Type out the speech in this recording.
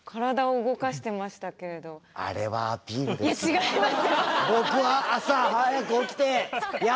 違いますよ。